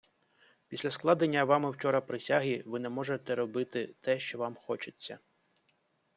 Після складення Вами вчора присяги, Ви не можете робити те що Вам хочеться.